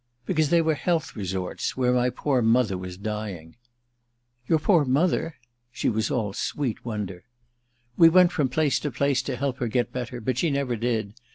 "Because they were health resorts—where my poor mother was dying." "Your poor mother?"—she was all sweet wonder. "We went from place to place to help her to get better. But she never did.